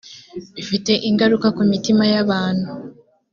bifite ingaruka ku mitima y’abantu